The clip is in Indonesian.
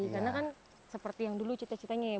karena kan seperti yang dulu cita citanya ya